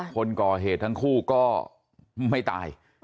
คนก่อเหตุทั้งคู่ก็ไม่ตาย